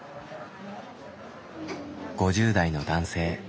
５０代の男性。